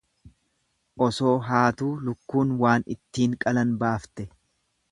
Osoo haatuu lukkuun waan ittiin qalan baafte.